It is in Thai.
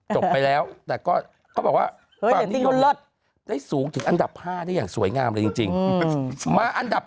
จบไปแล้วแต่ก็เขาบอกว่าความนิยมเลิศได้สูงถึงอันดับ๕ได้อย่างสวยงามเลยจริงมาอันดับ